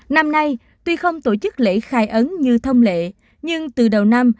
năm nay tuy không tổ chức lễ khai ấn như thông lệ nhưng từ đầu năm